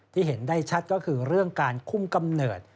เห็นได้ชัดก็คือเรื่องการคุมกำเนิด